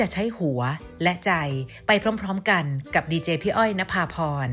สวัสดีค่ะ